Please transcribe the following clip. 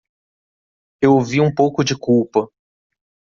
Eu ouvi um pouco de culpa